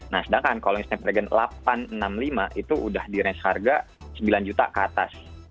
nah sedangkan kalau yang step reagen delapan ratus enam puluh lima itu udah di range harga sembilan juta ke atas